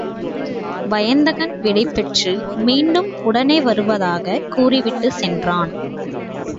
வயந்தகன் விடை பெற்று மீண்டும் உடனே வருவதாகக் கூறிவிட்டுச் சென்றான்.